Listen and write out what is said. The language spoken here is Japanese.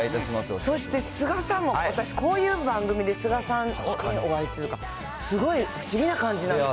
そして、スガさんも、私、こういう番組でスガさんにお会いするって、すごい不思議な感じなんです。